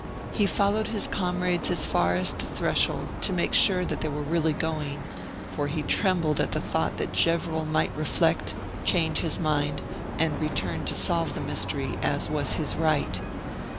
He followed his comrades as far as the threshold to make sure that they were really going, for he trembled at the thought that Gevrol might reflect, change his mind, and return to solve the mystery, as was his right.